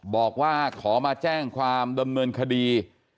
บอกว่าขอมาแจ้งความดำเนินคดี